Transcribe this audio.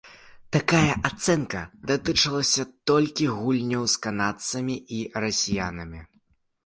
Такая ацэнка датычылася толькі гульняў з канадцамі і расіянамі.